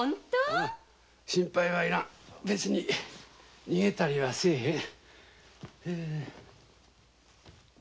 心配はいらん逃げたりはせん。